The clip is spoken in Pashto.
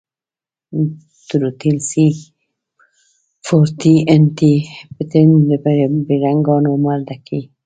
ټروټيل سي فور ټي ان ټي پټن د بېرنگانو مردکي.